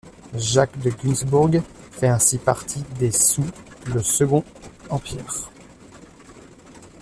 Jacques de Gunzbourg fait ainsi partie des sous le Second Empire.